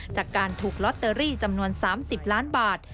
จากการถูกลอตเตอรี่จำนวน๓๐ล้านบาท